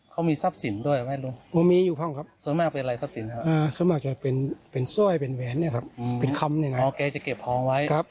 ครับเก็บทอง